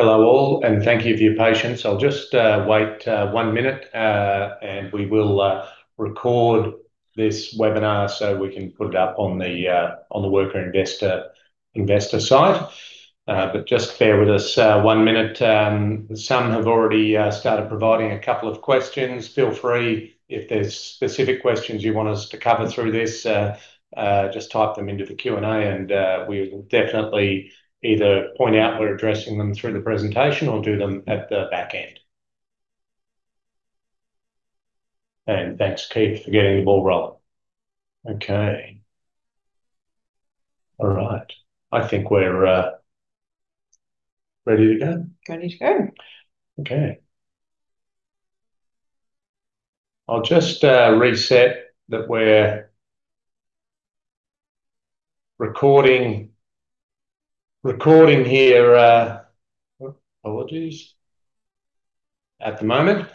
Hello all, and thank you for your patience. I'll just wait one minute, and we will record this webinar so we can put it up on the Wrkr Investor site. But just bear with us one minute. Some have already started providing a couple of questions. Feel free, if there's specific questions you want us to cover through this, just type them into the Q&A and we'll definitely either point out we're addressing them through the presentation or do them at the back end. And thanks, Keith, for getting the ball rolling. Okay. All right. I think we're ready to go. Ready to go. Okay. I'll just reset that we're recording here. Apologies at the moment.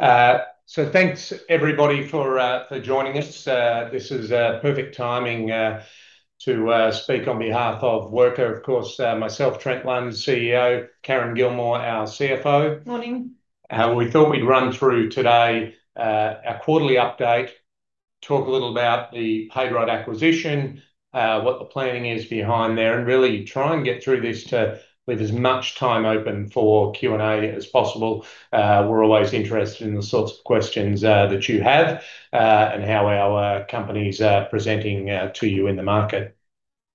So thanks, everybody, for joining us. This is perfect timing to speak on behalf of Wrkr, of course, myself, Trent Lund, CEO, Karen Gilmour, our CFO. Morning. We thought we'd run through today our quarterly update, talk a little about the payroll acquisition, what the planning is behind there, and really try and get through this to leave as much time open for Q&A as possible. We're always interested in the sorts of questions that you have and how our company's presenting to you in the market.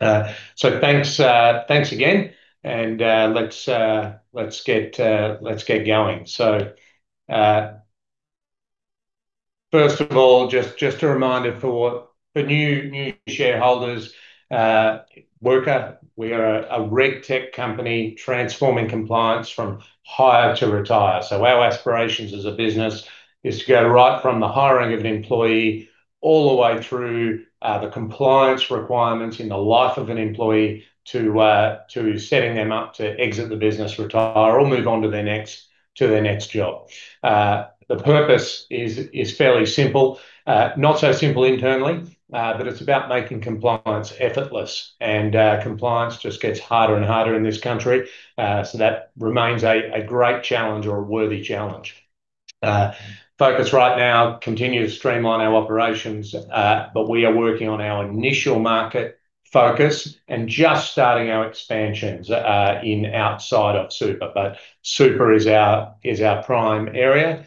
So thanks again, and let's get going. So first of all, just a reminder for new shareholders, Wrkr, we are a RegTech company transforming compliance from hire to retire. So our aspirations as a business is to go right from the hiring of an employee all the way through the compliance requirements in the life of an employee to setting them up to exit the business, retire, or move on to their next job. The purpose is fairly simple, not so simple internally, but it's about making compliance effortless. Compliance just gets harder and harder in this country, so that remains a great challenge or a worthy challenge. Focus right now continues to streamline our operations, but we are working on our initial market focus and just starting our expansions outside of Super, but Super is our prime area.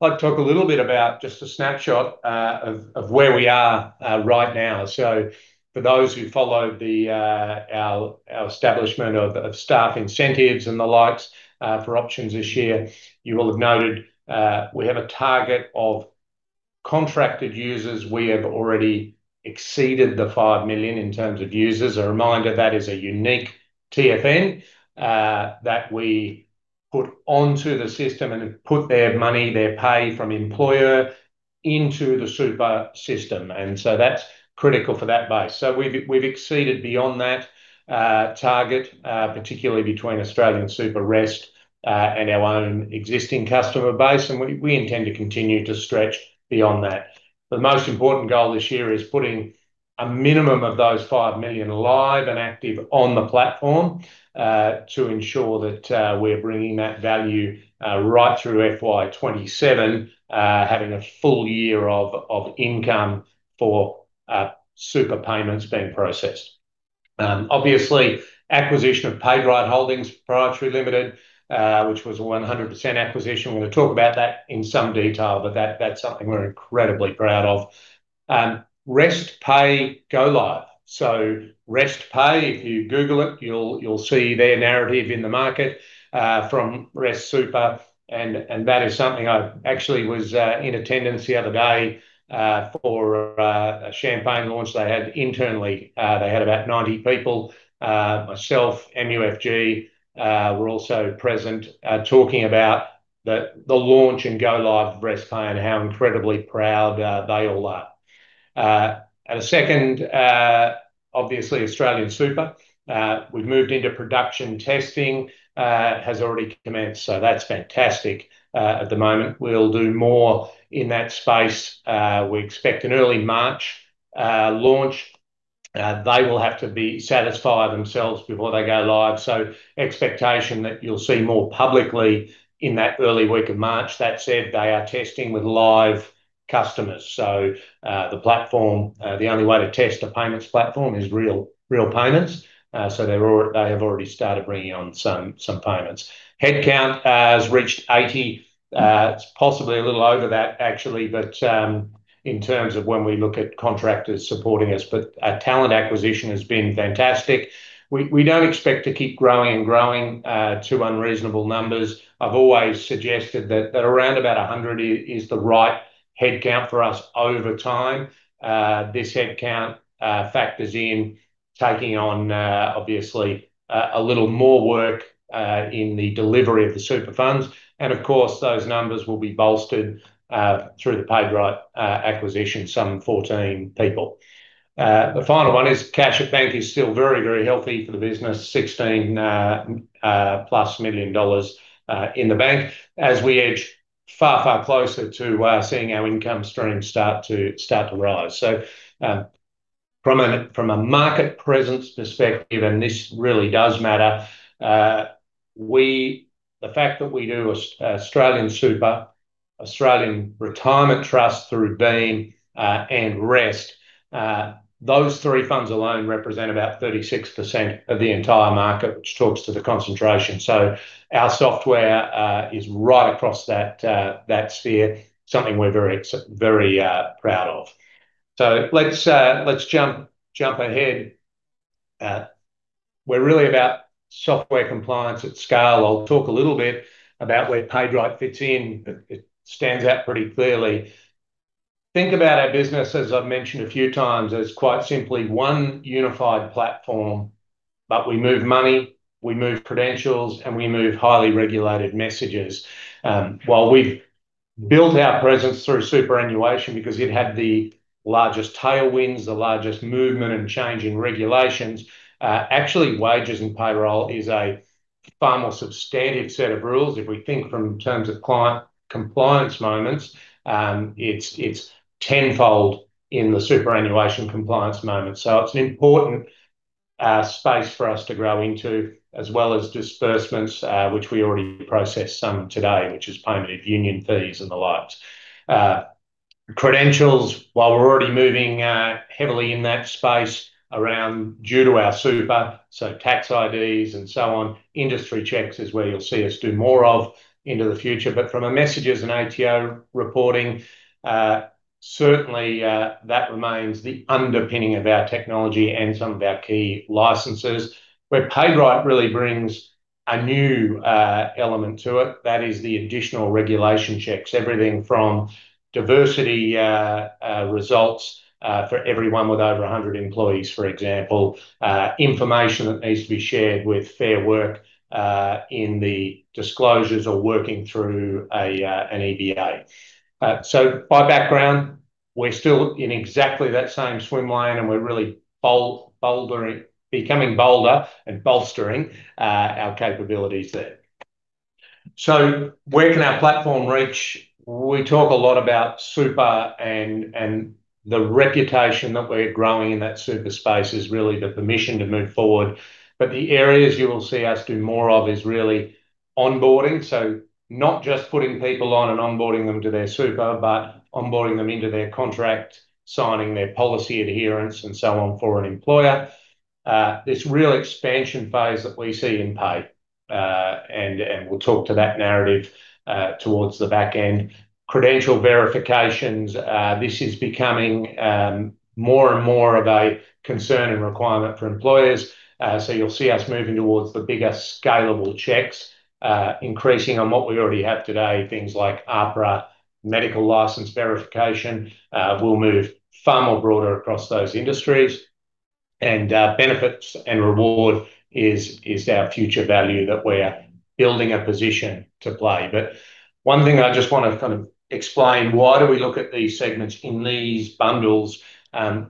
I'd like to talk a little bit about just a snapshot of where we are right now. So for those who followed our establishment of staff incentives and the likes for options this year, you will have noted we have a target of contracted users. We have already exceeded the 5 million in terms of users. A reminder, that is a unique TFN that we put onto the system and put their money, their pay from employer into the Super system. And so that's critical for that base. So we've exceeded beyond that target, particularly between AustralianSuper, Rest, and our own existing customer base, and we intend to continue to stretch beyond that. The most important goal this year is putting a minimum of those five million live and active on the platform to ensure that we're bringing that value right through FY 2027, having a full year of income for Super payments being processed. Obviously, acquisition of PaidRight Holdings, which was a 100% acquisition. We're going to talk about that in some detail, but that's something we're incredibly proud of. Rest Pay Go Live. So Rest Pay, if you Google it, you'll see their narrative in the market from Rest. And that is something I actually was in attendance the other day for a champagne launch they had internally. They had about 90 people. Myself, MUFG, were also present talking about the launch and Go Live of Rest Pay and how incredibly proud they all are. At a second, obviously, AustralianSuper. We've moved into production. Testing has already commenced, so that's fantastic at the moment. We'll do more in that space. We expect an early March launch. They will have to satisfy themselves before they go live. So expectation that you'll see more publicly in that early week of March. That said, they are testing with live customers. So the platform, the only way to test a payments platform is real payments. So they have already started bringing on some payments. Headcount has reached 80. It's possibly a little over that, actually, but in terms of when we look at contractors supporting us. But talent acquisition has been fantastic. We don't expect to keep growing and growing to unreasonable numbers. I've always suggested that around about 100 is the right headcount for us over time. This headcount factors in taking on, obviously, a little more work in the delivery of the super funds. And of course, those numbers will be bolstered through the payroll acquisition, some 14 people. The final one is cash at bank is still very, very healthy for the business, 16 million dollars+ in the bank as we edge far, far closer to seeing our income stream start to rise. So from a market presence perspective, and this really does matter, the fact that we do AustralianSuper, Australian Retirement Trust through Beam, and Rest, those three funds alone represent about 36% of the entire market, which talks to the concentration. So our software is right across that sphere, something we're very proud of. So let's jump ahead. We're really about software compliance at scale. I'll talk a little bit about where PaidRight fits in, but it stands out pretty clearly. Think about our business, as I've mentioned a few times, as quite simply one unified platform. But we move money, we move credentials, and we move highly regulated messages. While we've built our presence through superannuation because it had the largest tailwinds, the largest movement and change in regulations, actually, wages and payroll is a far more substantive set of rules. If we think from terms of client compliance moments, it's tenfold in the superannuation compliance moments. It's an important space for us to grow into, as well as disbursements, which we already process some today, which is payment of union fees and the likes. Credentials, while we're already moving heavily in that space due to our Super, so tax IDs and so on, industry checks is where you'll see us do more of into the future. But from a messages and ATO reporting, certainly that remains the underpinning of our technology and some of our key licenses. Where PaidRight really brings a new element to it, that is the additional regulation checks, everything from diversity results for everyone with over 100 employees, for example, information that needs to be shared with Fair Work in the disclosures or working through an EBA. So by background, we're still in exactly that same swim lane, and we're really becoming bolder and bolstering our capabilities there. So where can our platform reach? We talk a lot about Super and the reputation that we're growing in that Super space is really the permission to move forward. But the areas you will see us do more of is really onboarding, so not just putting people on and onboarding them to their Super, but onboarding them into their contract, signing their policy adherence, and so on for an employer. This real expansion phase that we see in pay, and we'll talk to that narrative towards the back end. Credential verifications, this is becoming more and more of a concern and requirement for employers. So you'll see us moving towards the bigger scalable checks, increasing on what we already have today, things like APRA, medical license verification. We'll move far more broader across those industries. And benefits and reward is our future value that we're building a position to play. But one thing I just want to kind of explain, why do we look at these segments in these bundles?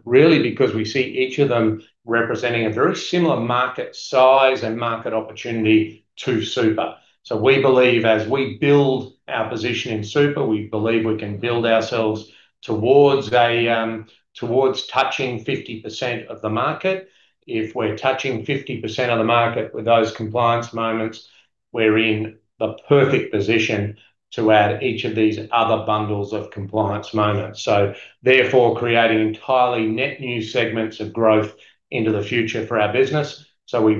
Really, because we see each of them representing a very similar market size and market opportunity to Super. So we believe as we build our position in Super, we believe we can build ourselves towards touching 50% of the market. If we're touching 50% of the market with those compliance moments, we're in the perfect position to add each of these other bundles of compliance moments. So therefore, creating entirely net new segments of growth into the future for our business. So we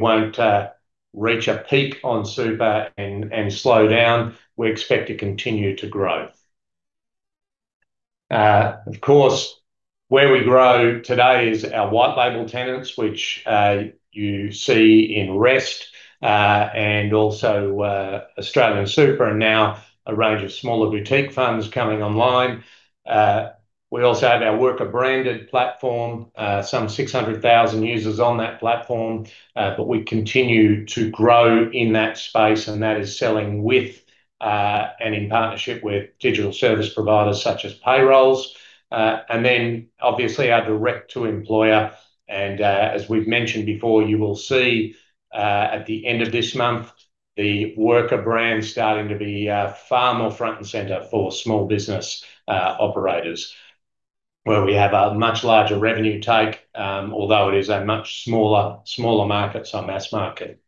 won't reach a peak on Super and slow down. We expect to continue to grow. Of course, where we grow today is our white-label tenants, which you see in Rest and also AustralianSuper and now a range of smaller boutique funds coming online. We also have our Wrkr branded platform, some 600,000 users on that platform. But we continue to grow in that space, and that is selling with and in partnership with digital service providers such as payrolls. And then obviously our direct-to-employer. And as we've mentioned before, you will see at the end of this month the Wrkr brand starting to be far more front and center for small business operators, where we have a much larger revenue take, although it is a much smaller market, so mass market.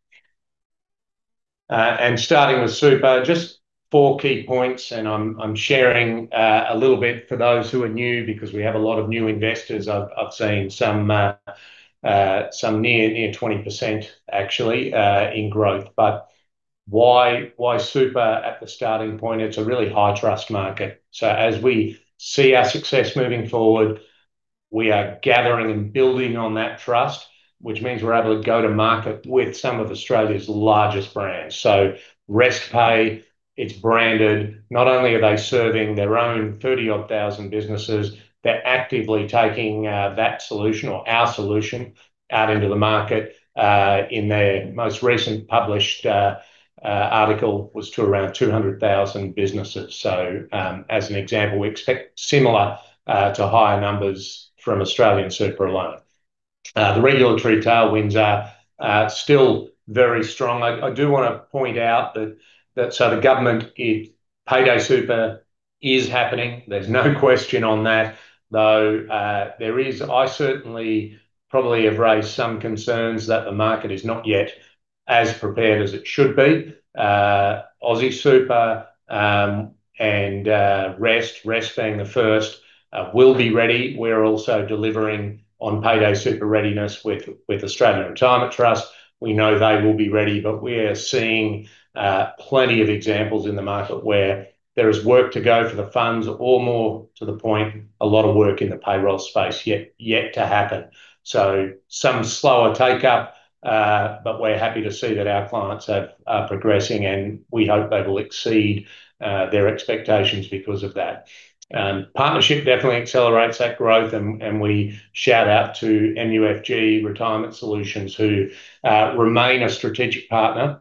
And starting with Super, just four key points, and I'm sharing a little bit for those who are new because we have a lot of new investors. I've seen some near 20% actually in growth. But why Super at the starting point? It's a really high-trust market. So as we see our success moving forward, we are gathering and building on that trust, which means we're able to go to market with some of Australia's largest brands. So Rest Pay, it's branded. Not only are they serving their own 30-odd thousand businesses, they're actively taking that solution or our solution out into the market. In their most recent published article, it was to around 200,000 businesses. So as an example, we expect similar to higher numbers from AustralianSuper alone. The regulatory tailwinds are still very strong. I do want to point out that so the government, Payday Super is happening. There's no question on that, though there is I certainly probably have raised some concerns that the market is not yet as prepared as it should be. AustralianSuper and Rest, Rest being the first, will be ready. We're also delivering on Payday Super readiness with Australian Retirement Trust. We know they will be ready, but we are seeing plenty of examples in the market where there is work to go for the funds or more to the point, a lot of work in the payroll space yet to happen. So some slower takeup, but we're happy to see that our clients are progressing, and we hope they will exceed their expectations because of that. Partnership definitely accelerates that growth, and we shout out to MUFG Retirement Solutions, who remain a strategic partner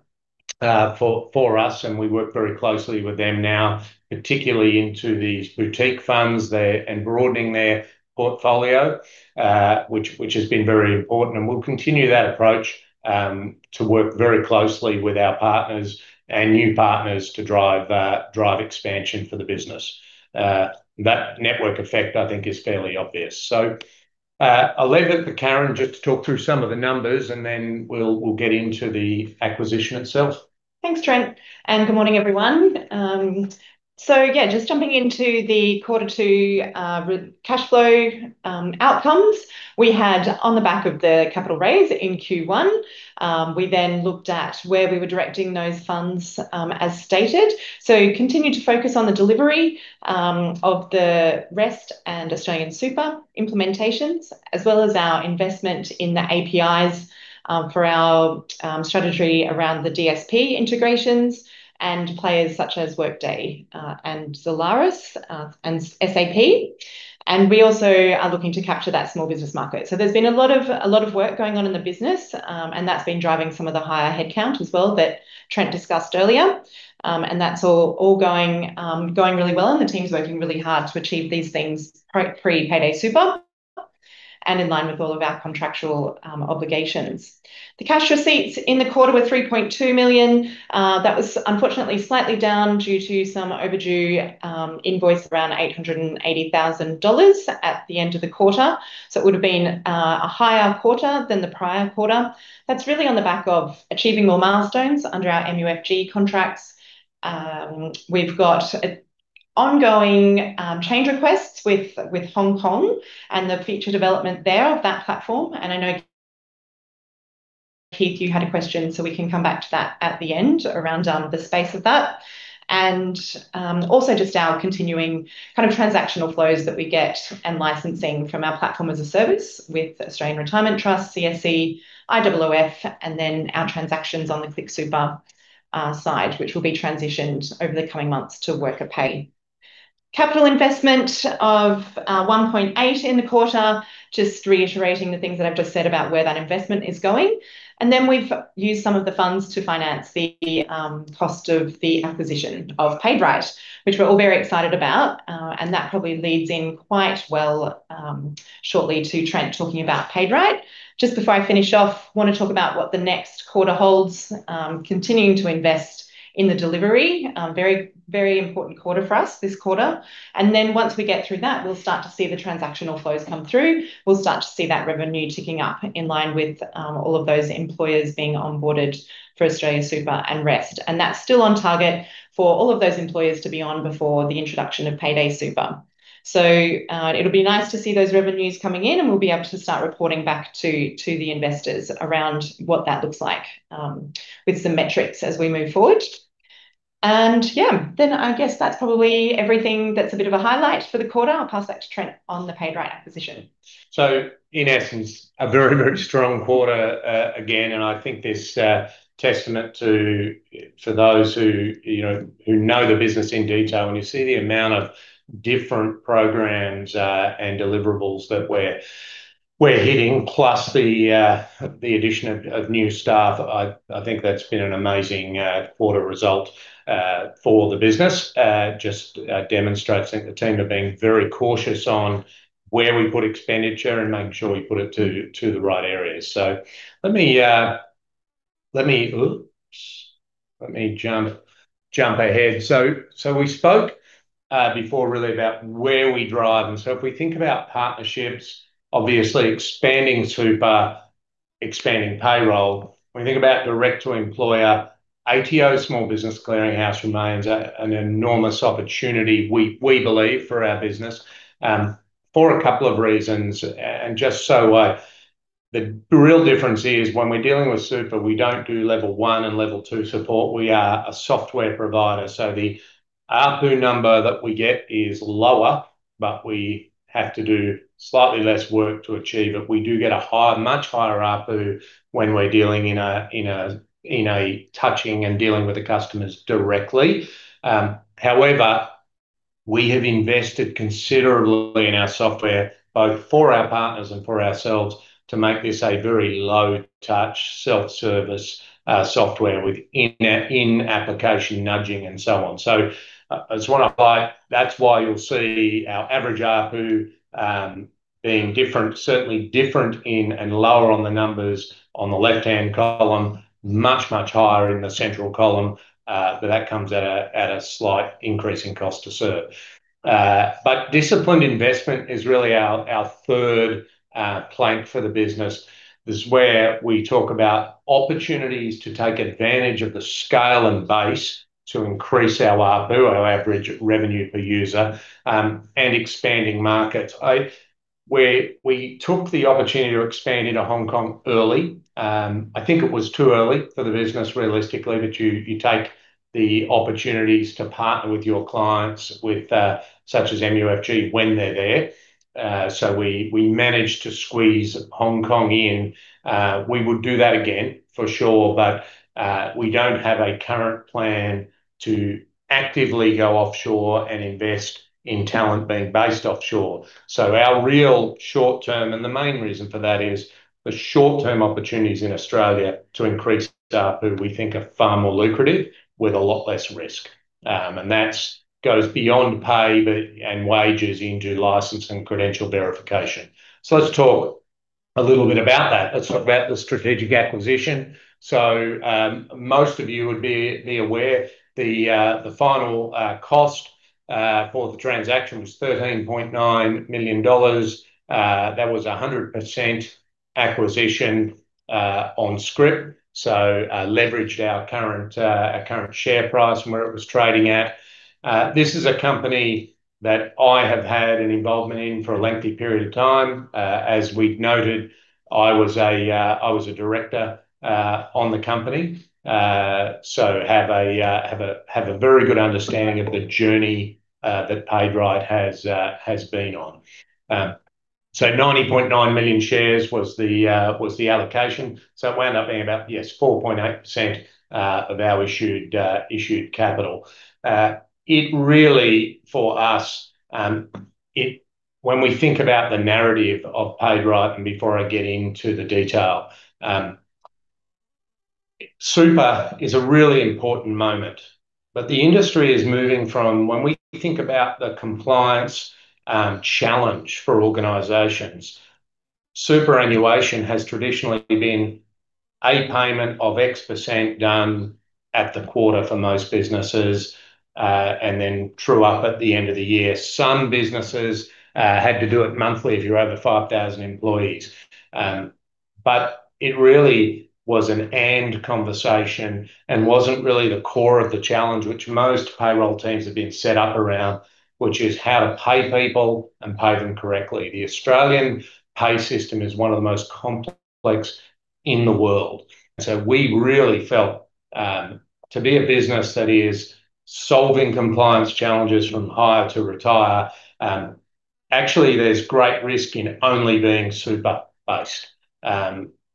for us, and we work very closely with them now, particularly into these boutique funds and broadening their portfolio, which has been very important. And we'll continue that approach to work very closely with our partners and new partners to drive expansion for the business. That network effect, I think, is fairly obvious. I'll leave it to Karen just to talk through some of the numbers, and then we'll get into the acquisition itself. Thanks, Trent. Good morning, everyone. So yeah, just jumping into the quarter two cash flow outcomes, we had on the back of the capital raise in Q1, we then looked at where we were directing those funds, as stated. So continue to focus on the delivery of the Rest and AustralianSuper implementations, as well as our investment in the APIs for our strategy around the DSP integrations and players such as Workday and Solaris and SAP. And we also are looking to capture that small business market. So there's been a lot of work going on in the business, and that's been driving some of the higher headcount as well that Trent discussed earlier. And that's all going really well, and the team's working really hard to achieve these things pre-Payday Super and in line with all of our contractual obligations. The cash receipts in the quarter were 3.2 million. That was unfortunately slightly down due to some overdue invoice around 880,000 dollars at the end of the quarter. So it would have been a higher quarter than the prior quarter. That's really on the back of achieving more milestones under our MUFG contracts. We've got ongoing change requests with Hong Kong and the future development there of that platform. And I know, Keith, you had a question, so we can come back to that at the end around the space of that. And also just our continuing kind of transactional flows that we get and licensing from our platform as a service with Australian Retirement Trust, CSC, IOOF, and then our transactions on the ClickSuper side, which will be transitioned over the coming months to Wrkr Pay. Capital investment of 1.8 million in the quarter, just reiterating the things that I've just said about where that investment is going. And then we've used some of the funds to finance the cost of the acquisition of PaidRight, which we're all very excited about. And that probably leads in quite well shortly to Trent talking about PaidRight. Just before I finish off, I want to talk about what the next quarter holds, continuing to invest in the delivery. Very, very important quarter for us this quarter. And then once we get through that, we'll start to see the transactional flows come through. We'll start to see that revenue ticking up in line with all of those employers being onboarded for AustralianSuper and Rest. And that's still on target for all of those employers to be on before the introduction of Payday Super. So it'll be nice to see those revenues coming in, and we'll be able to start reporting back to the investors around what that looks like with some metrics as we move forward. And yeah, then I guess that's probably everything that's a bit of a highlight for the quarter. I'll pass back to Trent on the PaidRight acquisition. In essence, a very, very strong quarter again. I think this testament to for those who know the business in detail, when you see the amount of different programs and deliverables that we're hitting, plus the addition of new staff, I think that's been an amazing quarter result for the business. Just demonstrates the team are being very cautious on where we put expenditure and make sure we put it to the right areas. Let me jump ahead. We spoke before really about where we drive. If we think about partnerships, obviously expanding Super, expanding payroll, when we think about direct-to-employer, ATO, small business clearinghouse remains an enormous opportunity, we believe, for our business for a couple of reasons. Just so the real difference is when we're dealing with Super, we don't do level 1 and level 2 support. We are a software provider. So the ARPU number that we get is lower, but we have to do slightly less work to achieve it. We do get a much higher ARPU when we're dealing in a touching and dealing with the customers directly. However, we have invested considerably in our software, both for our partners and for ourselves, to make this a very low-touch self-service software with in-application nudging and so on. So that's why you'll see our average ARPU being different, certainly different and lower on the numbers on the left-hand column, much, much higher in the central column. But that comes at a slight increase in cost to serve. But disciplined investment is really our third plank for the business. This is where we talk about opportunities to take advantage of the scale and base to increase our ARPU, our average revenue per user, and expanding markets. We took the opportunity to expand into Hong Kong early. I think it was too early for the business, realistically, but you take the opportunities to partner with your clients, such as MUFG, when they're there. We managed to squeeze Hong Kong in. We would do that again for sure, but we don't have a current plan to actively go offshore and invest in talent being based offshore. Our real short-term and the main reason for that is the short-term opportunities in Australia to increase ARPU, we think, are far more lucrative with a lot less risk. And that goes beyond pay and wages into license and credential verification. Let's talk a little bit about that. Let's talk about the strategic acquisition. Most of you would be aware, the final cost for the transaction was AUD 13.9 million. That was 100% all-scrip acquisition, so leveraged our current share price and where it was trading at. This is a company that I have had an involvement in for a lengthy period of time. As we noted, I was a director on the company, so have a very good understanding of the journey that PaidRight has been on. So 90.9 million shares was the allocation. So it wound up being about, yes, 4.8% of our issued capital. It really, for us, when we think about the narrative of PaidRight and before I get into the detail, super is a really important moment. But the industry is moving from when we think about the compliance challenge for organizations, superannuation has traditionally been a payment of X% done at the quarter for most businesses and then drawn up at the end of the year. Some businesses had to do it monthly if you're over 5,000 employees. But it really was an end conversation and wasn't really the core of the challenge, which most payroll teams have been set up around, which is how to pay people and pay them correctly. The Australian pay system is one of the most complex in the world. So we really felt to be a business that is solving compliance challenges from hire to retire, actually, there's great risk in only being Super-based.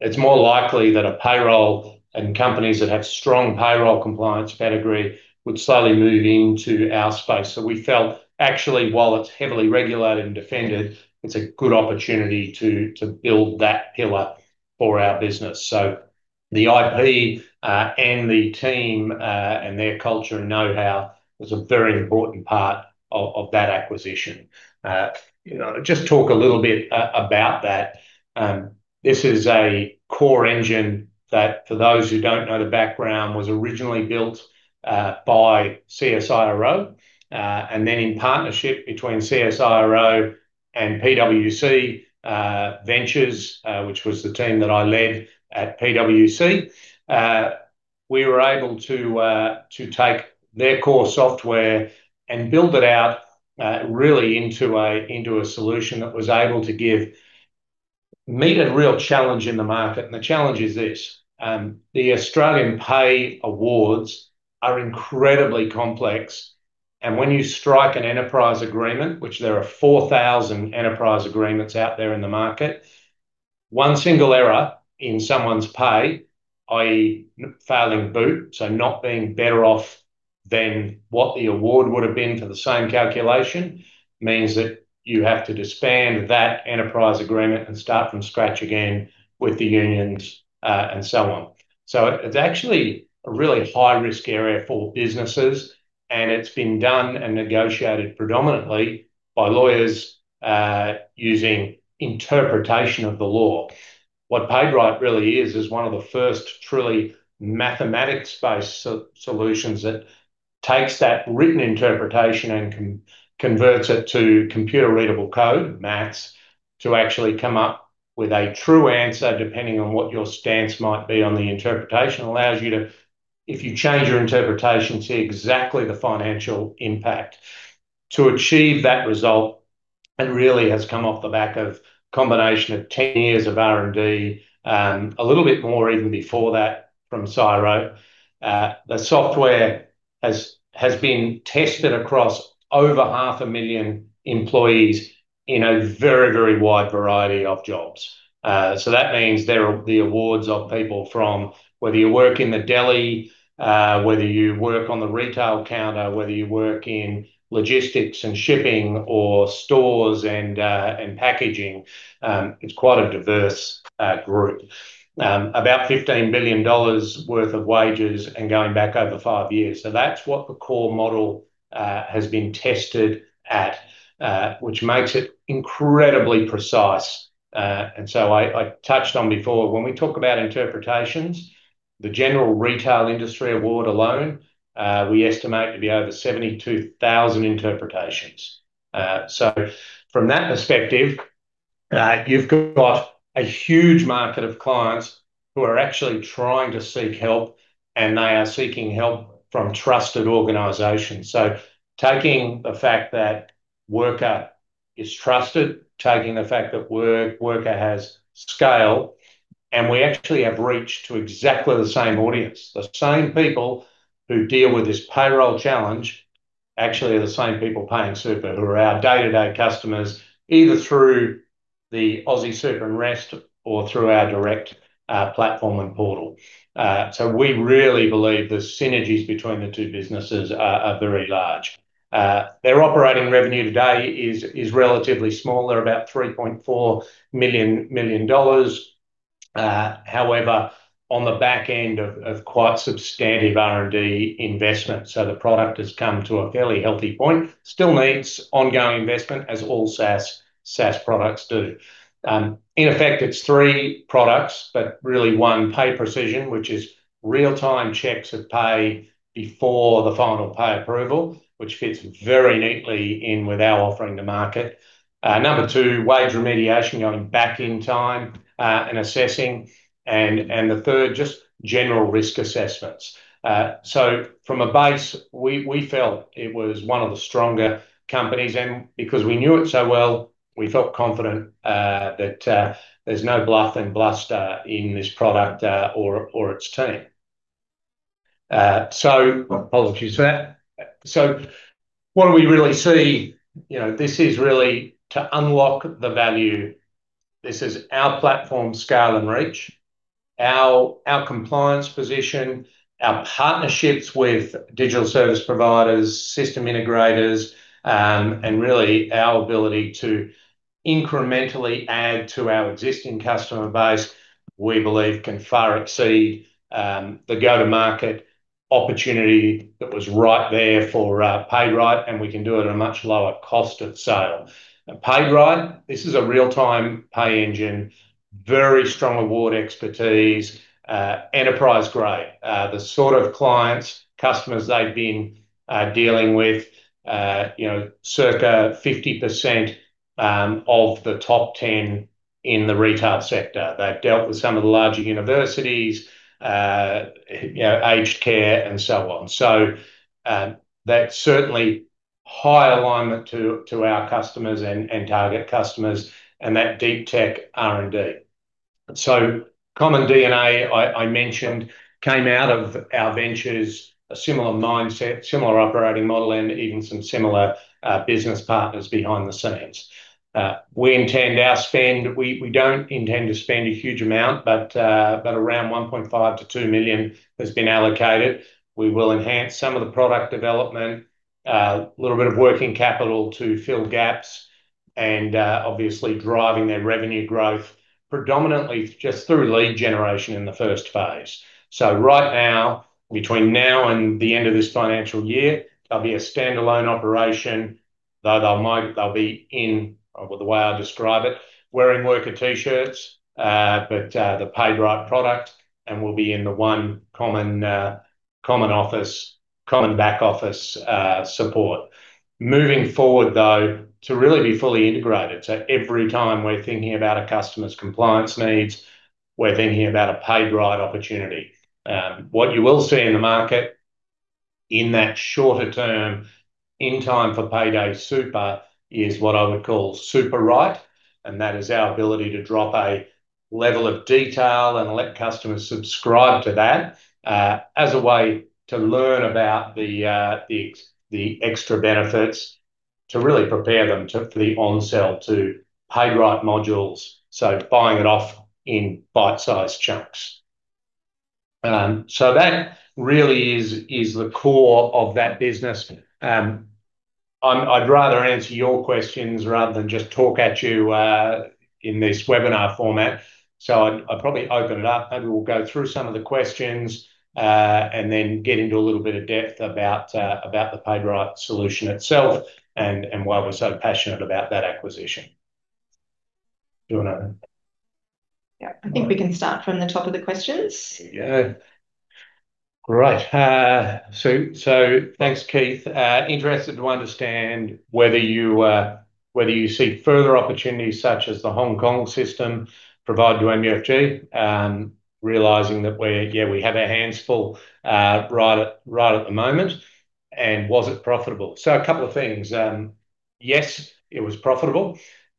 It's more likely that payroll companies that have strong payroll compliance pedigree would slowly move into our space. So we felt, actually, while it's heavily regulated and defended, it's a good opportunity to build that pillar for our business. So the IP and the team and their culture and know-how was a very important part of that acquisition. Just talk a little bit about that. This is a core engine that, for those who don't know the background, was originally built by CSIRO. Then in partnership between CSIRO and PwC Ventures, which was the team that I led at PwC, we were able to take their core software and build it out really into a solution that was able to meet a real challenge in the market. The challenge is this. The Australian pay awards are incredibly complex. And when you strike an enterprise agreement, which there are 4,000 enterprise agreements out there in the market, one single error in someone's pay, i.e., failing BOOT, so not being better off than what the award would have been for the same calculation, means that you have to disband that enterprise agreement and start from scratch again with the unions and so on. It's actually a really high-risk area for businesses. It's been done and negotiated predominantly by lawyers using interpretation of the law. What PaidRight really is, is one of the first truly mathematics-based solutions that takes that written interpretation and converts it to computer-readable code, math, to actually come up with a true answer depending on what your stance might be on the interpretation, allows you to, if you change your interpretation, see exactly the financial impact. To achieve that result, it really has come off the back of a combination of 10 years of R&D, a little bit more even before that from CSIRO. The software has been tested across over 500,000 employees in a very, very wide variety of jobs. So that means the awards of people from whether you work in the deli, whether you work on the retail counter, whether you work in logistics and shipping or stores and packaging, it's quite a diverse group, about 15 billion dollars worth of wages and going back over five years. So that's what the core model has been tested at, which makes it incredibly precise. And so I touched on before, when we talk about interpretations, the General Retail Industry Award alone, we estimate to be over 72,000 interpretations. So from that perspective, you've got a huge market of clients who are actually trying to seek help, and they are seeking help from trusted organisations. So taking the fact that Wrkr is trusted, taking the fact that Wrkr has scale, and we actually have reached to exactly the same audience, the same people who deal with this payroll challenge actually are the same people paying Super who are our day-to-day customers, either through the Aussie Super and Rest or through our direct platform and portal. So we really believe the synergies between the two businesses are very large. Their operating revenue today is relatively small. They're about 3.4 million. However, on the back end of quite substantive R&D investment, so the product has come to a fairly healthy point, still needs ongoing investment as all SaaS products do. In effect, it's three products, but really one pay precision, which is real-time checks of pay before the final pay approval, which fits very neatly in with our offering to market. Number two, wage remediation going back in time and assessing. And the third, just general risk assessments. So from a base, we felt it was one of the stronger companies. And because we knew it so well, we felt confident that there's no bluff and bluster in this product or its team. So apologies for that. So what do we really see? This is really to unlock the value. This is our platform scale and reach, our compliance position, our partnerships with digital service providers, system integrators, and really our ability to incrementally add to our existing customer base, we believe, can far exceed the go-to-market opportunity that was right there for PaidRight, and we can do it at a much lower cost of sale. PaidRight, this is a real-time pay engine, very strong award expertise, enterprise-grade. The sort of clients, customers they've been dealing with, circa 50% of the top 10 in the retail sector. They've dealt with some of the larger universities, aged care, and so on. So that's certainly high alignment to our customers and target customers and that deep tech R&D. So common DNA, I mentioned, came out of our ventures, a similar mindset, similar operating model, and even some similar business partners behind the scenes. We intend our spend we don't intend to spend a huge amount, but around 1.5 million-2 million has been allocated. We will enhance some of the product development, a little bit of working capital to fill gaps, and obviously driving their revenue growth predominantly just through lead generation in the first phase. So right now, between now and the end of this financial year, there'll be a standalone operation, though they'll be in, the way I describe it, wearing Wrkr T-shirts, but the PaidRight product, and we'll be in the one common office, common back-office support. Moving forward, though, to really be fully integrated, so every time we're thinking about a customer's compliance needs, we're thinking about a PaidRight opportunity. What you will see in the market in that shorter term, in time for Payday Super, is what I would call SuperRight. And that is our ability to drop a level of detail and let customers subscribe to that as a way to learn about the extra benefits to really prepare them for the onsell to PaidRight modules, so buying it off in bite-sized chunks. So that really is the core of that business. I'd rather answer your questions rather than just talk at you in this webinar format. So I'll probably open it up. Maybe we'll go through some of the questions and then get into a little bit of depth about the PaidRight solution itself and why we're so passionate about that acquisition. Do you want to? Yeah. I think we can start from the top of the questions. There we go. Great. So thanks, Keith. Interested to understand whether you see further opportunities such as the Hong Kong system provided to MUFG, realizing that, yeah, we have a handful right at the moment, and was it profitable? So a couple of things. Yes, it was profitable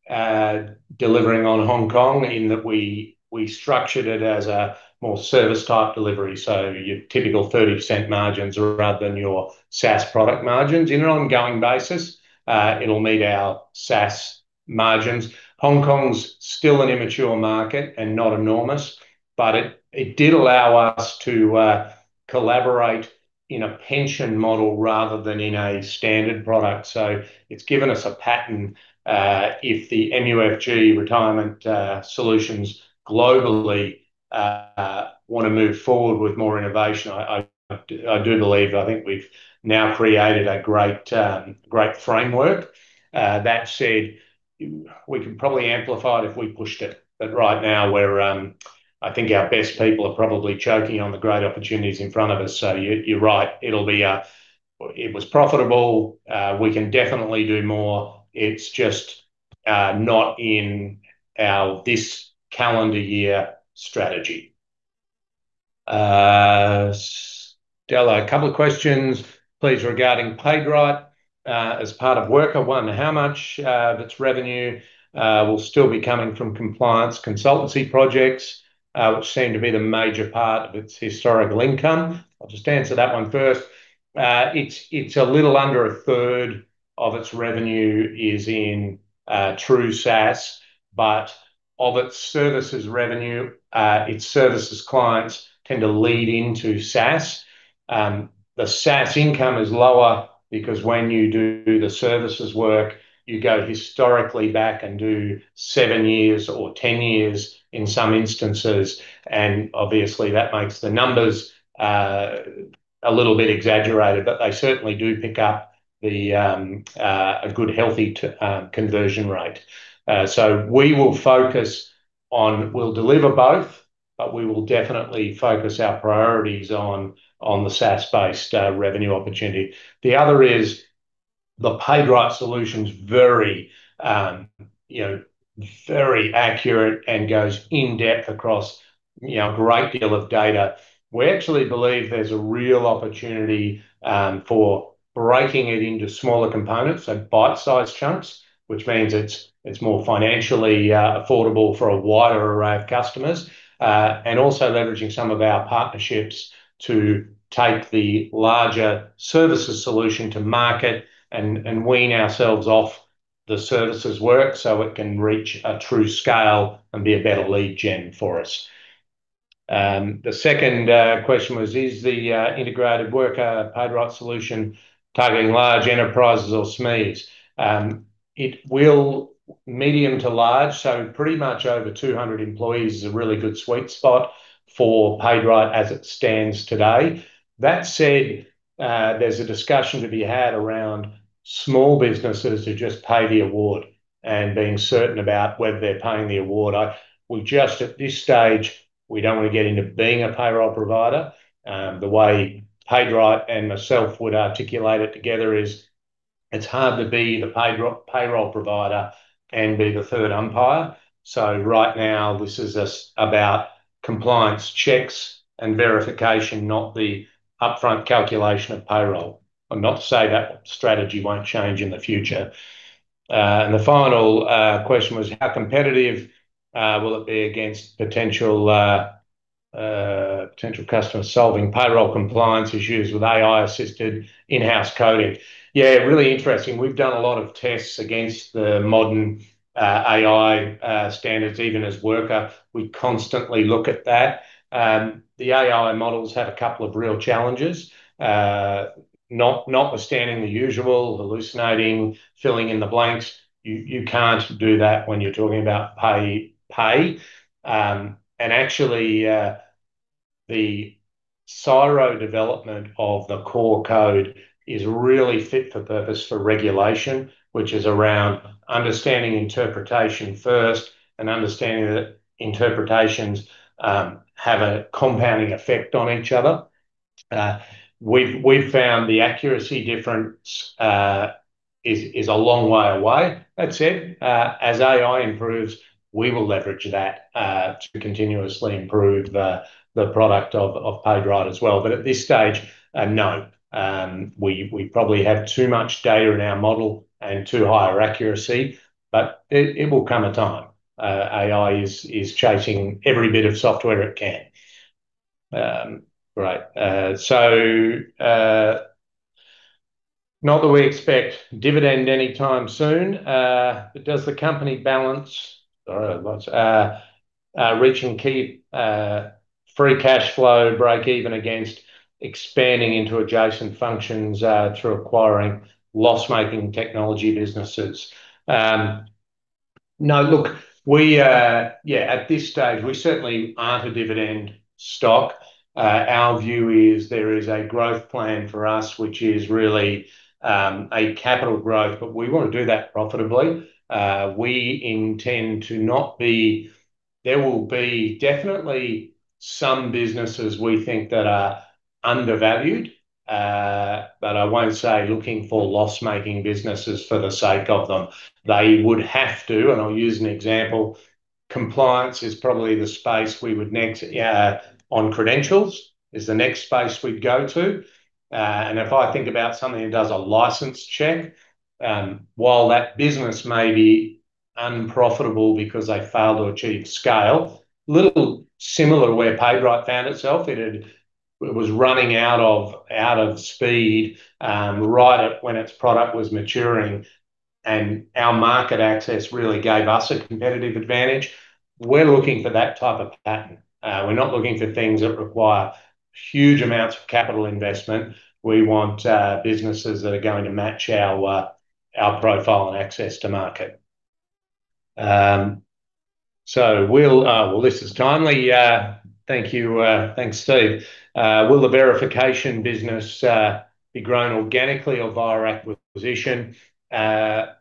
delivering on Hong Kong in that we structured it as a more service-type delivery, so your typical 30% margins rather than your SaaS product margins. In an ongoing basis, it'll meet our SaaS margins. Hong Kong's still an immature market and not enormous, but it did allow us to collaborate in a pension model rather than in a standard product. So it's given us a pattern. If the MUFG Retirement Solutions globally want to move forward with more innovation, I do believe I think we've now created a great framework. That said, we could probably amplify it if we pushed it. But right now, I think our best people are probably choking on the great opportunities in front of us. So you're right. It was profitable. We can definitely do more. It's just not in our this calendar year strategy. Della, a couple of questions, please, regarding PaidRight. As part of Wrkr, one, how much of its revenue will still be coming from compliance consultancy projects, which seem to be the major part of its historical income? I'll just answer that one first. It's a little under a third of its revenue is in true SaaS, but of its services revenue, its services clients tend to lead into SaaS. The SaaS income is lower because when you do the services work, you go historically back and do 7 years or 10 years in some instances. Obviously, that makes the numbers a little bit exaggerated, but they certainly do pick up a good healthy conversion rate. So we will focus on we'll deliver both, but we will definitely focus our priorities on the SaaS-based revenue opportunity. The other is the PaidRight solution's very accurate and goes in-depth across a great deal of data. We actually believe there's a real opportunity for breaking it into smaller components, so bite-sized chunks, which means it's more financially affordable for a wider array of customers, and also leveraging some of our partnerships to take the larger services solution to market and wean ourselves off the services work so it can reach a true scale and be a better lead gen for us. The second question was, is the integrated Wrkr PaidRight solution targeting large enterprises or SMEs? It will medium to large, so pretty much over 200 employees is a really good sweet spot for PaidRight as it stands today. That said, there's a discussion to be had around small businesses to just pay the award and being certain about whether they're paying the award. At this stage, we don't want to get into being a payroll provider. The way PaidRight and myself would articulate it together is it's hard to be the payroll provider and be the third umpire. So right now, this is about compliance checks and verification, not the upfront calculation of payroll. I'm not to say that strategy won't change in the future. And the final question was, how competitive will it be against potential customers solving payroll compliance issues with AI-assisted in-house coding? Yeah, really interesting. We've done a lot of tests against the modern AI standards, even as Wrkr, we constantly look at that. The AI models have a couple of real challenges, notwithstanding the usual, hallucinating, filling in the blanks. You can't do that when you're talking about pay. And actually, the CSIRO development of the core code is really fit for purpose for regulation, which is around understanding interpretation first and understanding that interpretations have a compounding effect on each other. We've found the accuracy difference is a long way away. That said, as AI improves, we will leverage that to continuously improve the product of PaidRight as well. But at this stage, no. We probably have too much data in our model and too higher accuracy, but it will come a time. AI is chasing every bit of software it can. Great. So, not that we expect dividend anytime soon, but does the company balance reach and keep free cash flow break-even against expanding into adjacent functions through acquiring loss-making technology businesses? No, look, yeah, at this stage, we certainly aren't a dividend stock. Our view is there is a growth plan for us, which is really a capital growth, but we want to do that profitably. We intend to not be. There will be definitely some businesses we think that are undervalued, but I won't say looking for loss-making businesses for the sake of them. They would have to, and I'll use an example, compliance is probably the space we would next on credentials is the next space we'd go to. If I think about something that does a license check, while that business may be unprofitable because they failed to achieve scale, a little similar to where PaidRight found itself, it was running out of speed right when its product was maturing, and our market access really gave us a competitive advantage. We're looking for that type of pattern. We're not looking for things that require huge amounts of capital investment. We want businesses that are going to match our profile and access to market. So well, this is timely. Thank you. Thanks, Steve. Will the verification business be grown organically or via acquisition? A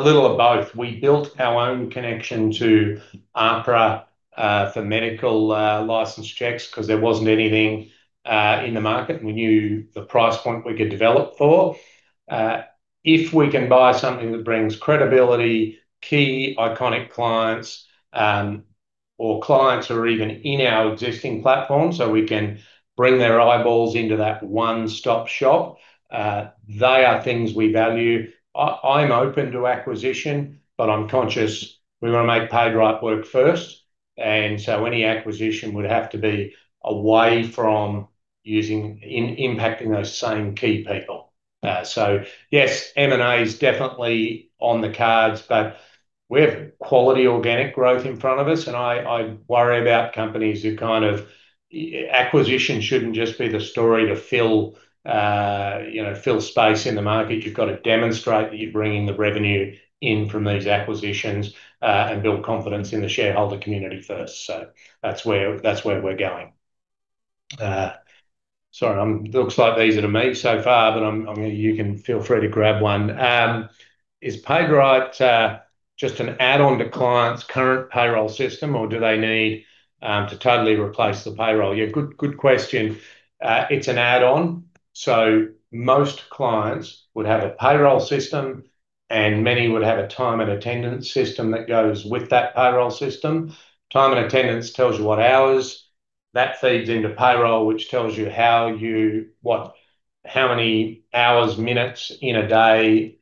little of both. We built our own connection to APRA for medical license checks because there wasn't anything in the market, and we knew the price point we could develop for. If we can buy something that brings credibility, key iconic clients, or clients who are even in our existing platform so we can bring their eyeballs into that one-stop shop, they are things we value. I'm open to acquisition, but I'm conscious we want to make PaidRight work first. So any acquisition would have to be away from impacting those same key people. Yes, M&A is definitely on the cards, but we have quality organic growth in front of us. I worry about companies who kind of acquisition shouldn't just be the story to fill space in the market. You've got to demonstrate that you're bringing the revenue in from these acquisitions and build confidence in the shareholder community first. So that's where we're going. Sorry, it looks like these are to me so far, but you can feel free to grab one. Is PaidRight just an add-on to clients' current payroll system, or do they need to totally replace the payroll? Yeah, good question. It's an add-on. So most clients would have a payroll system, and many would have a time and attendance system that goes with that payroll system. Time and attendance tells you what hours. That feeds into payroll, which tells you how many hours, minutes in a day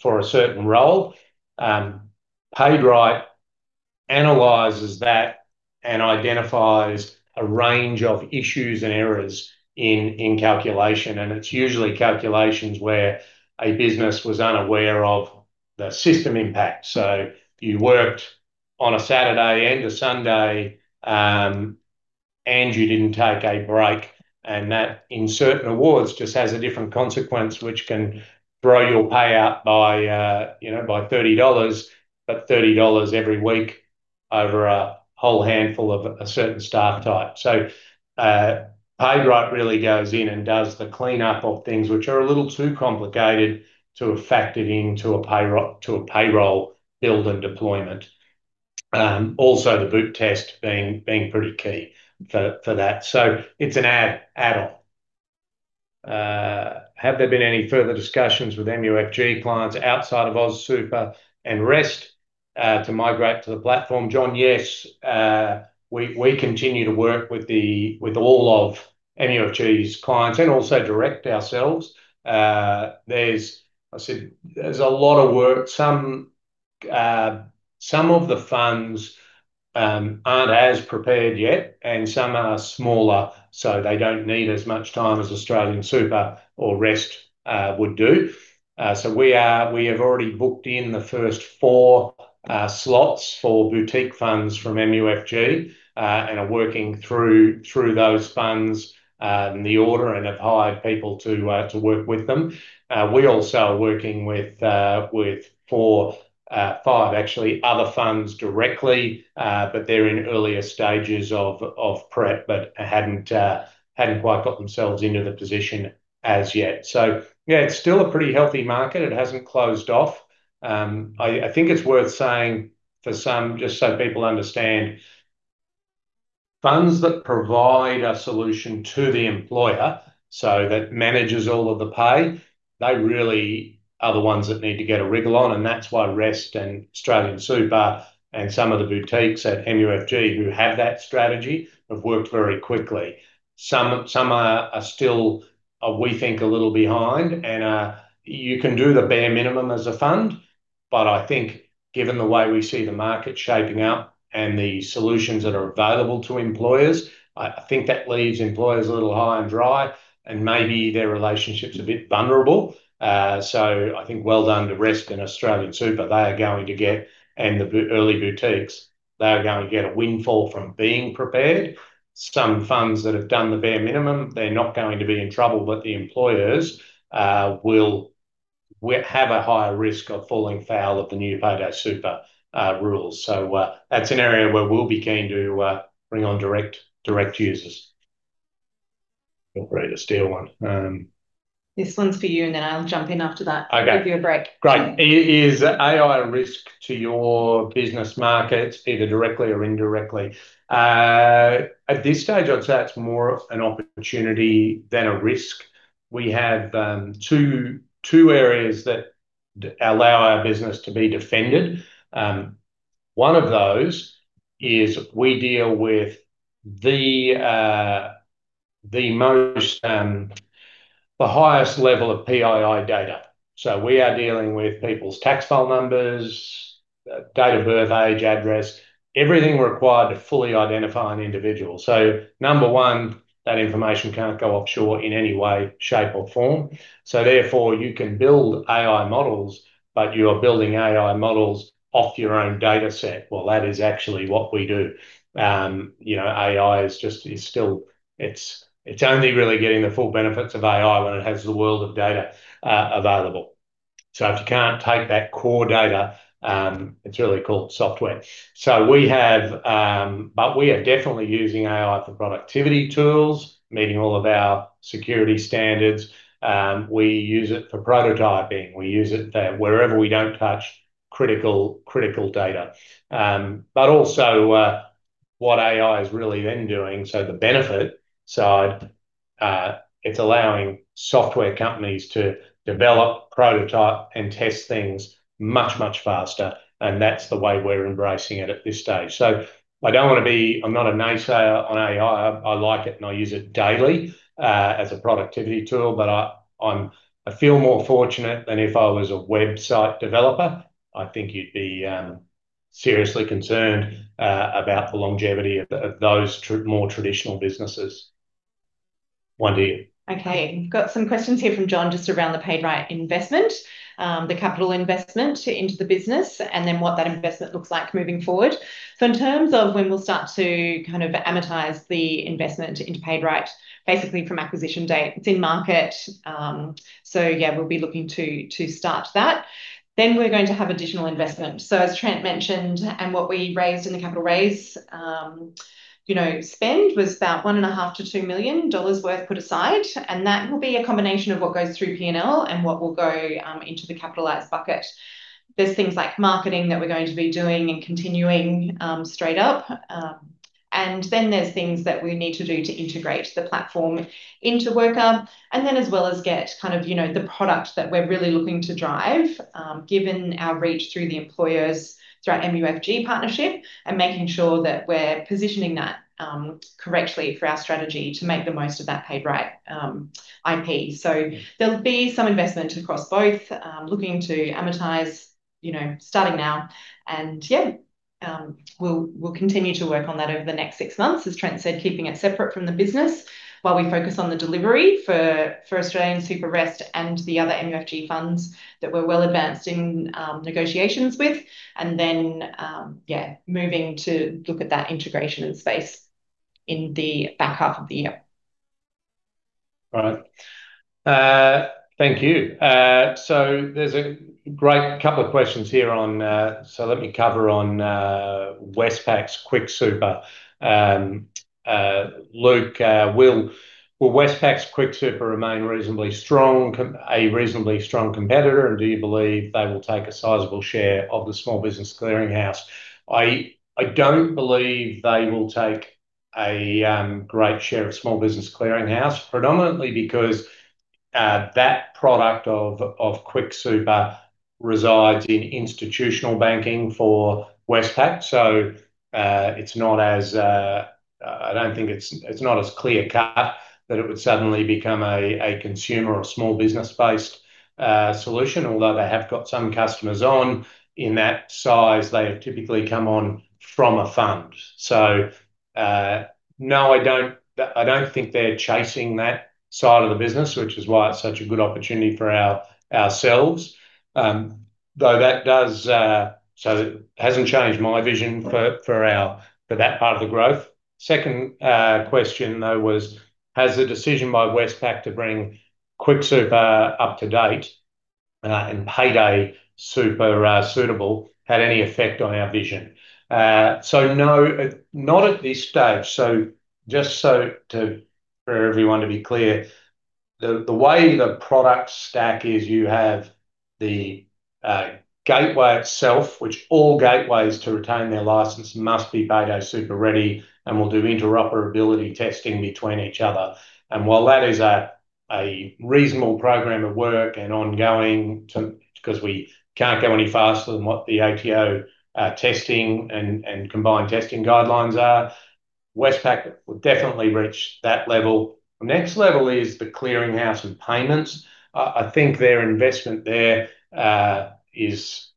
for a certain role. PaidRight analyses that and identifies a range of issues and errors in calculation. And it's usually calculations where a business was unaware of the system impact. So you worked on a Saturday and a Sunday, and you didn't take a break. And that in certain awards just has a different consequence, which can throw your pay out by 30 dollars, but 30 dollars every week over a whole handful of a certain staff type. So PaidRight really goes in and does the cleanup of things which are a little too complicated to have factored into a payroll build and deployment. Also, the Boot Test being pretty key for that. So it's an add-on. Have there been any further discussions with MUFG clients outside of AustralianSuper and Rest to migrate to the platform? John, yes. We continue to work with all of MUFG's clients and also direct ourselves. I said there's a lot of work. Some of the funds aren't as prepared yet, and some are smaller, so they don't need as much time as AustralianSuper or Rest would do. So we have already booked in the first four slots for boutique funds from MUFG and are working through those funds in the order and have hired people to work with them. We also are working with five, actually, other funds directly, but they're in earlier stages of prep but hadn't quite got themselves into the position as yet. So yeah, it's still a pretty healthy market. It hasn't closed off. I think it's worth saying for some, just so people understand, funds that provide a solution to the employer so that manages all of the pay, they really are the ones that need to get a wriggle on. And that's why Rest and AustralianSuper and some of the boutiques at MUFG who have that strategy have worked very quickly. Some are still, we think, a little behind. And you can do the bare minimum as a fund, but I think given the way we see the market shaping up and the solutions that are available to employers, I think that leaves employers a little high and dry, and maybe their relationship's a bit vulnerable. So I think well done to Rest and AustralianSuper. They are going to get. And the early boutiques, they are going to get a windfall from being prepared. Some funds that have done the bare minimum, they're not going to be in trouble, but the employers will have a higher risk of falling foul of the new Payday Super rules. So that's an area where we'll be keen to bring on direct users. Feel free to steal one. This one's for you, and then I'll jump in after that. Give you a break. Okay. Great. Is AI a risk to your business markets, either directly or indirectly? At this stage, I'd say it's more an opportunity than a risk. We have two areas that allow our business to be defended. One of those is we deal with the highest level of PII data. So we are dealing with people's tax file numbers, date of birth, age, address, everything required to fully identify an individual. So number one, that information can't go offshore in any way, shape, or form. So therefore, you can build AI models, but you are building AI models off your own dataset. Well, that is actually what we do. AI is still it's only really getting the full benefits of AI when it has the world of data available. So if you can't take that core data, it's really called software. But we are definitely using AI for productivity tools, meeting all of our security standards. We use it for prototyping. We use it wherever we don't touch critical data. But also, what AI is really then doing, so the benefit side, it's allowing software companies to develop, prototype, and test things much, much faster. And that's the way we're embracing it at this stage. So I don't want to be. I'm not a naysayer on AI. I like it, and I use it daily as a productivity tool. But I feel more fortunate than if I was a website developer. I think you'd be seriously concerned about the longevity of those more traditional businesses one day. Okay. We've got some questions here from John just around the PaidRight investment, the capital investment into the business, and then what that investment looks like moving forward. So in terms of when we'll start to kind of amortize the investment into PaidRight, basically from acquisition date, it's in market. So yeah, we'll be looking to start that. Then we're going to have additional investment. So as Trent mentioned, and what we raised in the capital raise spend was about 1.5 million-2 million dollars worth put aside. And that will be a combination of what goes through P&L and what will go into the capitalized bucket. There's things like marketing that we're going to be doing and continuing straight up. Then there's things that we need to do to integrate the platform into Wrkr, and then as well as get kind of the product that we're really looking to drive given our reach through the employers through our MUFG partnership and making sure that we're positioning that correctly for our strategy to make the most of that PaidRight IP. So there'll be some investment across both, looking to amortize starting now. And yeah, we'll continue to work on that over the next six months, as Trent said, keeping it separate from the business while we focus on the delivery for AustralianSuper, Rest, and the other MUFG funds that we're well advanced in negotiations with, and then, yeah, moving to look at that integration space in the back half of the year. All right. Thank you. So there's a great couple of questions here on so let me cover on Westpac's QuickSuper. Luke, will Westpac's QuickSuper remain a reasonably strong competitor, and do you believe they will take a sizable share of the small business clearinghouse? I don't believe they will take a great share of small business clearinghouse, predominantly because that product of QuickSuper resides in institutional banking for Westpac. So it's not as I don't think it's not as clear-cut that it would suddenly become a consumer or small business-based solution, although they have got some customers on in that size. They have typically come on from a fund. So no, I don't think they're chasing that side of the business, which is why it's such a good opportunity for ourselves, though that does so it hasn't changed my vision for that part of the growth. Second question, though, was, has the decision by Westpac to bring QuickSuper up to date and Payday Super suitable had any effect on our vision? No, not at this stage. Just for everyone to be clear, the way the product stack is, you have the gateway itself, which all gateways to retain their license must be Payday Super ready, and we'll do interoperability testing between each other. And while that is a reasonable program of work and ongoing because we can't go any faster than what the ATO testing and combined testing guidelines are, Westpac will definitely reach that level. Next level is the clearinghouse and payments. I think their investment there is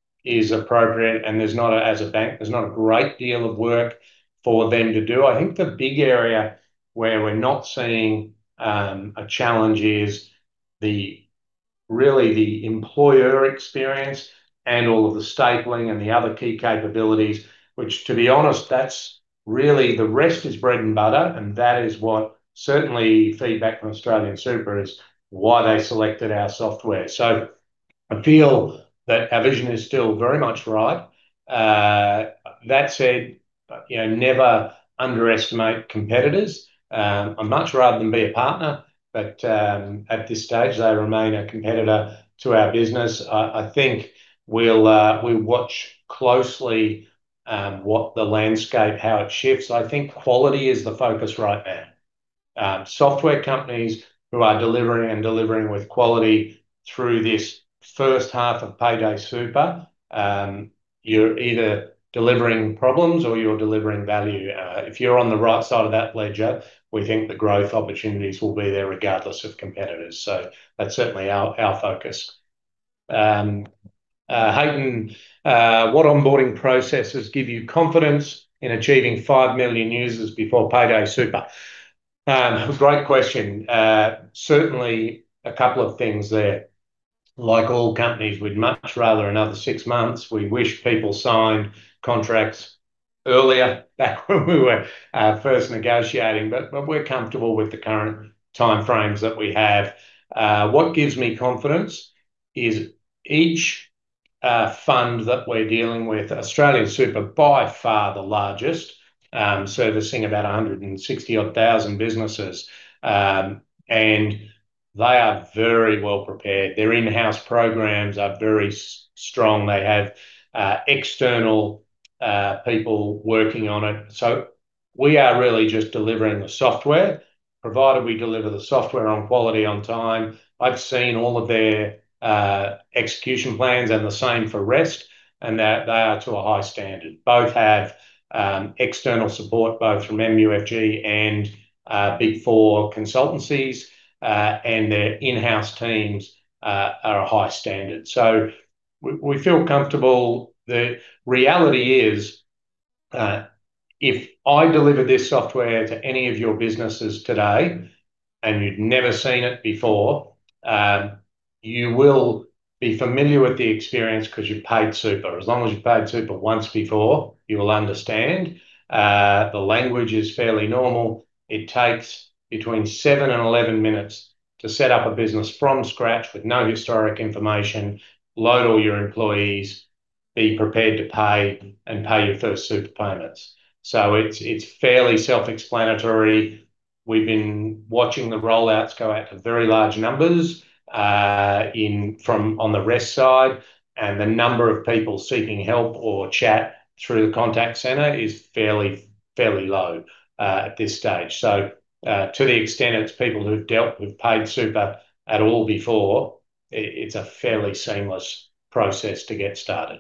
appropriate, and there's not a as a bank, there's not a great deal of work for them to do. I think the big area where we're not seeing a challenge is really the employer experience and all of the Stapling and the other key capabilities, which, to be honest, that's really the rest is bread and butter. And that is what certainly feedback from AustralianSuper is why they selected our software. So I feel that our vision is still very much right. That said, never underestimate competitors. I'd much rather than be a partner, but at this stage, they remain a competitor to our business. I think we'll watch closely what the landscape, how it shifts. I think quality is the focus right now. Software companies who are delivering and delivering with quality through this first half of Payday Super, you're either delivering problems or you're delivering value. If you're on the right side of that ledger, we think the growth opportunities will be there regardless of competitors. So that's certainly our focus. Hayden, what onboarding processes give you confidence in achieving 5 million users before Payday Super? Great question. Certainly a couple of things there. Like all companies, we'd much rather another 6 months. We wish people signed contracts earlier, back when we were first negotiating, but we're comfortable with the current timeframes that we have. What gives me confidence is each fund that we're dealing with, AustralianSuper, by far the largest, servicing about 160,000-odd businesses. And they are very well prepared. Their in-house programs are very strong. They have external people working on it. So we are really just delivering the software. Provided we deliver the software on quality, on time. I've seen all of their execution plans, and the same for Rest, and that they are to a high standard. Both have external support, both from MUFG and Big Four consultancies, and their in-house teams are a high standard. So we feel comfortable. The reality is, if I deliver this software to any of your businesses today and you'd never seen it before, you will be familiar with the experience because you've paid super. As long as you've paid super once before, you will understand. The language is fairly normal. It takes between 7-11 minutes to set up a business from scratch with no historic information, load all your employees, be prepared to pay, and pay your first super payments. So it's fairly self-explanatory. We've been watching the rollouts go out to very large numbers on the Rest side, and the number of people seeking help or chat through the contact centre is fairly low at this stage. So to the extent it's people who've dealt with Payday Super at all before, it's a fairly seamless process to get started.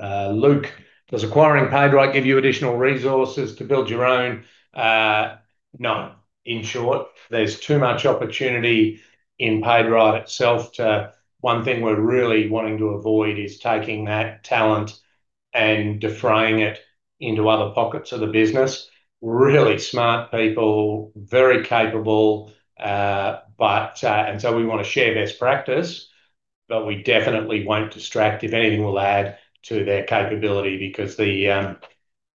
Luke, does acquiring PaidRight give you additional resources to build your own? No. In short, there's too much opportunity in PaidRight itself. The one thing we're really wanting to avoid is taking that talent and diverting it into other pockets of the business. Really smart people, very capable, and so we want to share best practice, but we definitely won't distract. If anything, it will add to their capability because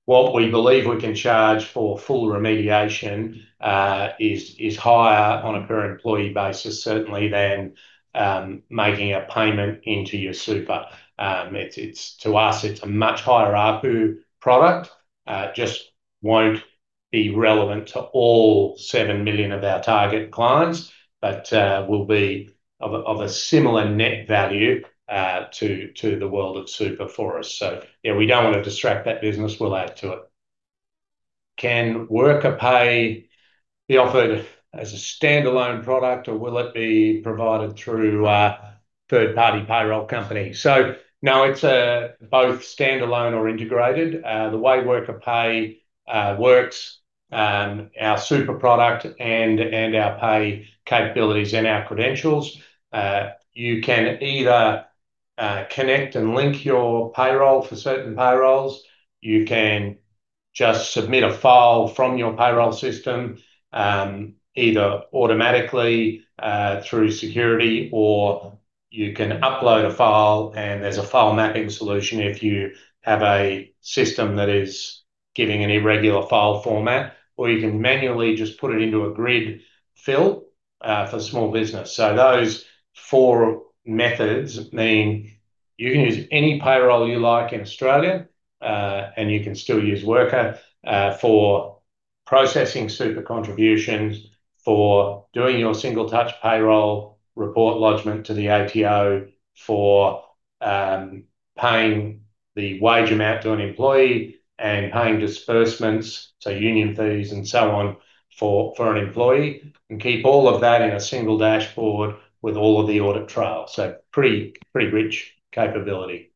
what we believe we can charge for full remediation is higher on a per-employee basis, certainly, than making a payment into your super. To us, it's a much higher ARPU product. It just won't be relevant to all seven million of our target clients, but will be of a similar net value to the world of super for us. So yeah, we don't want to distract that business. We'll add to it. Can Wrkr Pay be offered as a standalone product, or will it be provided through a third-party payroll company? So no, it's both standalone or integrated. The way Wrkr Pay works, our super product and our pay capabilities and our credentials, you can either connect and link your payroll for certain payrolls. You can just submit a file from your payroll system either automatically through security, or you can upload a file, and there's a file mapping solution if you have a system that is giving an irregular file format, or you can manually just put it into a grid fill for small business. So those four methods mean you can use any payroll you like in Australia, and you can still use Wrkr for processing super contributions, for doing your Single Touch Payroll report lodgment to the ATO, for paying the wage amount to an employee, and paying disbursements, so union fees and so on for an employee, and keep all of that in a single dashboard with all of the audit trails. So pretty rich capability.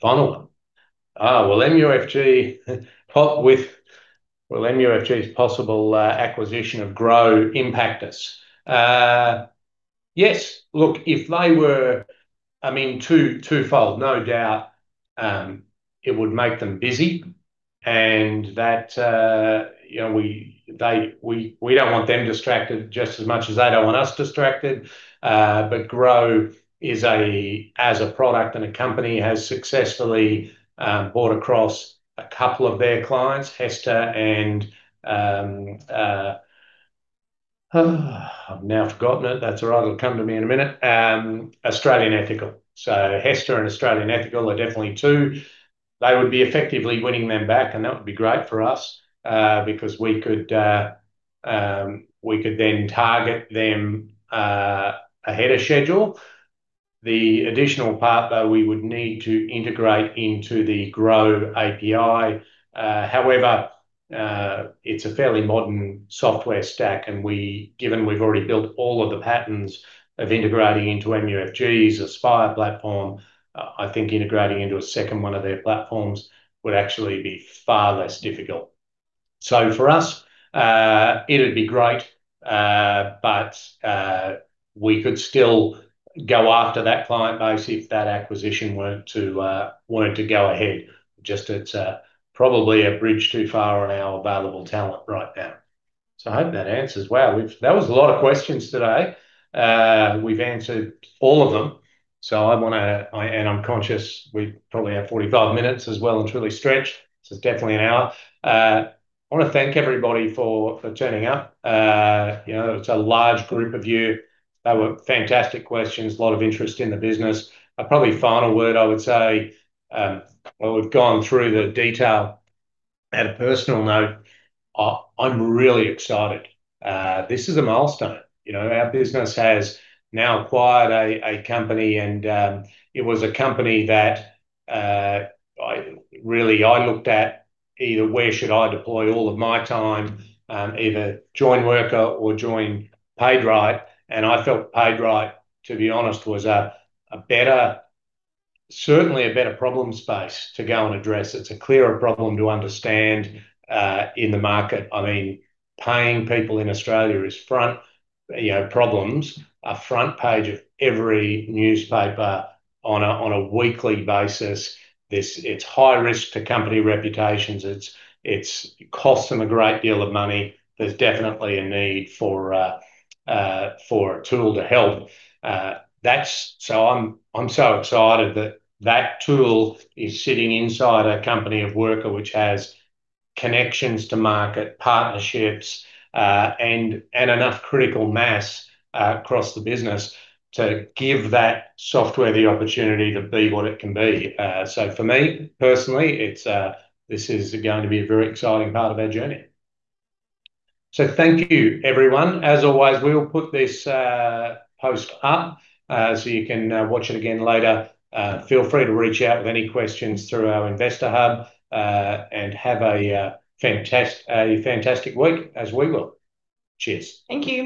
Final one. Well, MUFG's possible acquisition of Grow impact us. Yes. Look, if they were I mean, twofold. No doubt it would make them busy, and that we don't want them distracted just as much as they don't want us distracted. But Grow, as a product and a company, has successfully brought across a couple of their clients, HESTA and I've now forgotten it. That's all right. It'll come to me in a minute. Australian Ethical. HESTA and Australian Ethical are definitely two. They would be effectively winning them back, and that would be great for us because we could then target them ahead of schedule. The additional part, though, we would need to integrate into the Grow API. However, it's a fairly modern software stack, and given we've already built all of the patterns of integrating into MUFG's Aspire platform, I think integrating into a second one of their platforms would actually be far less difficult. So for us, it would be great, but we could still go after that client base if that acquisition weren't to go ahead. Just, it's probably a bridge too far on our available talent right now. So I hope that answers well. That was a lot of questions today. We've answered all of them, and I'm conscious we probably have 45 minutes as well and it's really stretched. This is definitely an hour. I want to thank everybody for turning up. It's a large group of you. They were fantastic questions, a lot of interest in the business. A probably final word, I would say, well, we've gone through the detail. At a personal note, I'm really excited. This is a milestone. Our business has now acquired a company, and it was a company that really I looked at either where should I deploy all of my time, either join Wrkr or join PaidRight, and I felt PaidRight, to be honest, was certainly a better problem space to go and address. It's a clearer problem to understand in the market. I mean, paying people in Australia is front problems, a front page of every newspaper on a weekly basis. It's high risk to company reputations. It costs them a great deal of money. There's definitely a need for a tool to help. So I'm so excited that that tool is sitting inside a company of Wrkr, which has connections to market, partnerships, and enough critical mass across the business to give that software the opportunity to be what it can be. So for me, personally, this is going to be a very exciting part of our journey. So thank you, everyone. As always, we'll put this post up so you can watch it again later. Feel free to reach out with any questions through our InvestorHub and have a fantastic week, as we will. Cheers. Thank you.